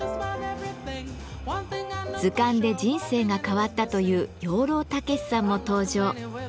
図鑑で人生が変わったという養老孟司さんも登場。